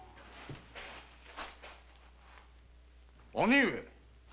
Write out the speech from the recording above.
兄上！